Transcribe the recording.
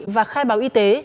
và khai báo y tế